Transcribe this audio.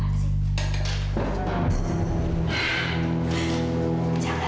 pak pindahkan ya pak